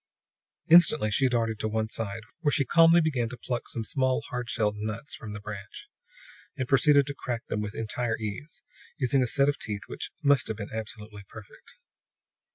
Instantly she darted to one side, where she calmly began to pluck some small, hard shelled nuts from the branch, and proceeded to crack them, with entire ease, using a set of teeth which must have been absolutely perfect.